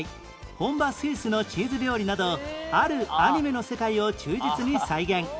本場スイスのチーズ料理などあるアニメの世界を忠実に再現